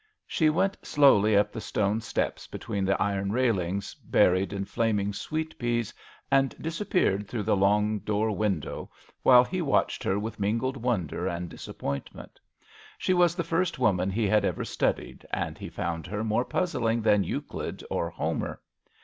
She went slowly up the stone steps between the iron railings buried in flaming sweet peas and disappeared through the long door window, while he watched her with mingled wonder and disappointment. She was the first woman he had ever studied, and he found her more puzzling than Euclid or Homer.